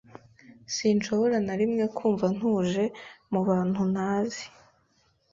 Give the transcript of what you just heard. Sinshobora na rimwe kumva ntuje mu bantu ntazi.